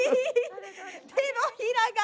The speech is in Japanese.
手のひらが。